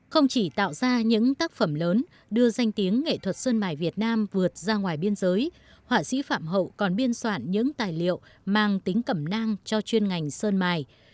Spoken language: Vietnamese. không chỉ tạo ra những tác phẩm lớn đưa danh tiếng nghệ thuật sơn mài việt nam vượt ra ngoài biên giới họa sĩ phạm hậu còn biên soạn những tài liệu mang tính cẩm nang cho chuyên ngành sơn mài